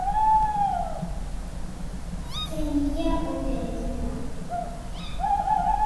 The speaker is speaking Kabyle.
Fkan-iyi ur ɛlimeɣ.